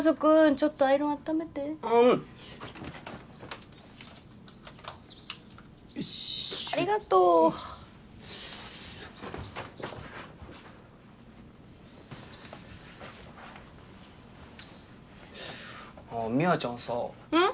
ちょっとアイロン温めてうんよしありがとうあぁ美和ちゃんさうん？